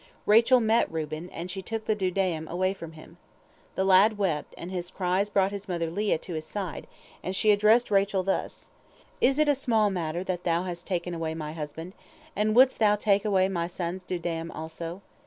Rachel met Reuben, and she took the dudaim away from him. The lad wept, and his cries brought his mother Leah to his side, and she addressed Rachel thus: 'Is it a small matter that thou hast taken away my husband? and wouldst thou take away my son's dudaim also?'